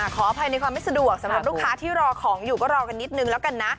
ขออภัยในความไม่สะดวกสำหรับลูกค้าที่รอของอยู่ก็รอกันนิดนึงแล้วกันนะ